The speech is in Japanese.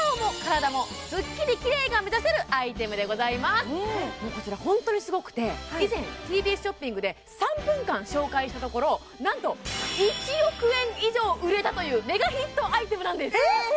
アハハハハッ今日はもうこちら本当にすごくて以前ＴＢＳショッピングで３分間紹介したところなんと１億円以上売れたというメガヒットアイテムなんですえっ